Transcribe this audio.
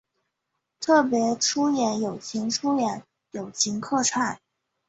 特别出演友情出演友情客串